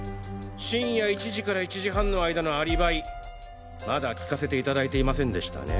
深夜１時から１時半の間のアリバイまだ聞かせていただいていませんでしたね？